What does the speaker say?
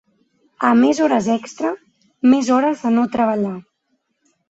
A més hores extra, més hores de no treballar.